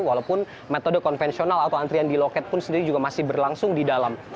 walaupun metode konvensional atau antrian di loket pun sendiri juga masih berlangsung di dalam